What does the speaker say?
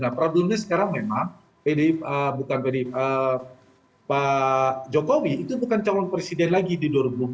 nah problemnya sekarang memang pdip bukan pdip pak jokowi itu bukan calon presiden lagi di dua ribu empat